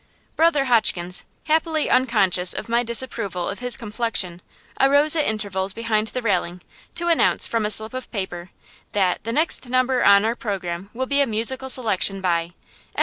Brother Hotchkins, happily unconscious of my disapproval of his complexion, arose at intervals behind the railing, to announce, from a slip of paper, that "the next number on our programme will be a musical selection by," etc.